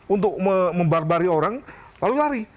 untuk membarbari orang lalu lari